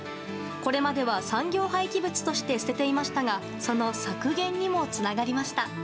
これまでは産業廃棄物として捨てていましたがその削減にもつながりました。